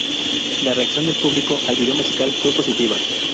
La reacción del público al vídeo musical fue positiva.